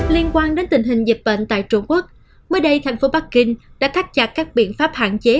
liên quan đến tình hình dịch bệnh tại trung quốc mới đây thành phố bắc kinh đã thắt chặt các biện pháp hạn chế